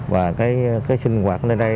và cái sinh hoạt nơi đây